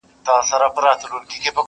کمی نه وو د طلا د جواهرو٫